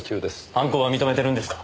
犯行は認めてるんですか？